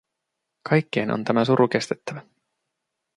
Kaikkien on tämä suru kestettävä.